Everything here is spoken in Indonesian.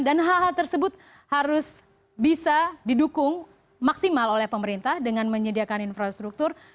dan hal hal tersebut harus bisa didukung maksimal oleh pemerintah dengan menyediakan infrastruktur